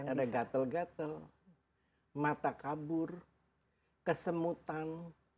ada gatel gatel mata kabur kesemutan